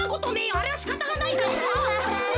あれはしかたがないだろ！